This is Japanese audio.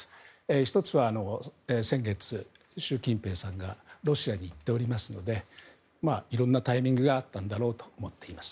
１つは先月、習近平さんがロシアに行っておりますので色んなタイミングがあったんだろうと思っています。